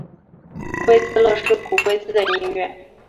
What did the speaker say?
龟兹乐是古龟兹的音乐。